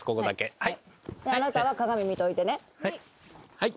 はい。